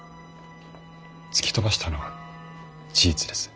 突き飛ばしたのは事実です。